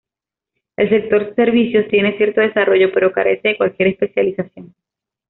El sector servicios tiene cierto desarrollo pero carece de cualquier especialización.